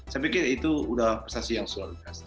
saya pikir itu sudah prestasi yang suaranya